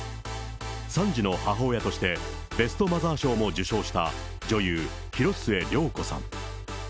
３児の母親として、ベストマザー賞も受賞した女優、広末涼子さん。